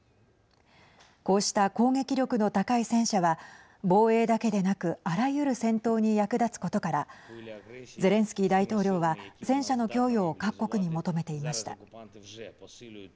こうした攻撃力の高い戦車は防衛だけでなくあらゆる戦闘に役立つことからゼレンスキー大統領は戦車の供与を各国に求めていました。